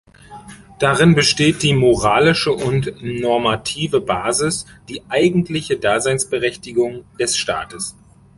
Darin besteht die moralische und normative Basis, die eigentliche Daseinsberechtigung des Staates.